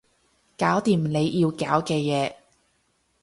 搞掂你要搞嘅嘢